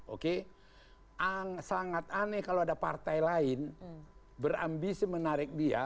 oke sangat aneh kalau ada partai lain berambisi menarik dia